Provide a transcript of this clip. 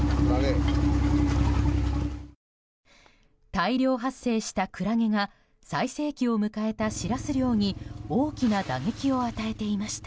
大量発生したクラゲが最盛期を迎えたシラス漁に大きな打撃を与えていました。